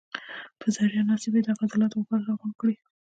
پۀ ذريعه ناڅاپي دغه عضلات واپس راغونډ کړي